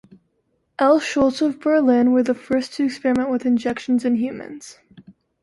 Elsholtz of Berlin were the first to experiment with injections in humans.